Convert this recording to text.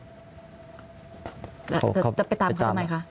จะไปตามเขาทำไมคะ